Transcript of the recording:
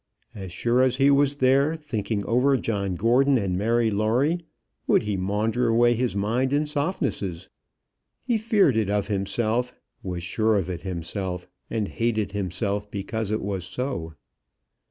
As sure as he was there thinking over John Gordon and Mary Lawrie, would he maunder away his mind in softnesses. He feared it of himself, was sure of it of himself, and hated himself because it was so.